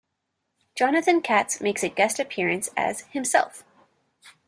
Jonathan Katz makes a guest appearance as himself.